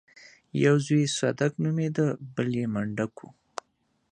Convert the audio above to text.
يو زوی يې صدک نومېده بل يې منډک و.